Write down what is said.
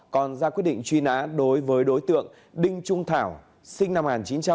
còn ra quyết định truy nã đối với đối tượng đinh trung thảo sinh năm một nghìn chín trăm tám mươi